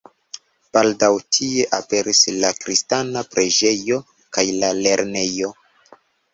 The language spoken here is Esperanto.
Baldaŭ tie aperis la kristana preĝejo kaj la lernejo.